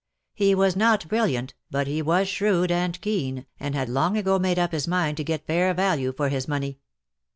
He was not brilliant, but he was shrewd and keen^ and had long ago made up his mind to get fair value for his money.